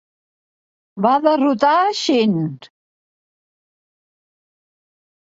Va derrotar Shinn.